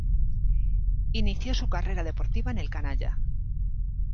Inició su carrera deportiva en el "canalla".